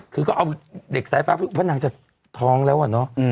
คือก็เอาเด็กสายฟ้านางจะท้องแล้วอะเนาะ